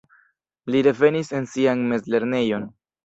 Li revenis en sian mezlernejon.